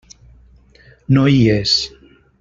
No hi és.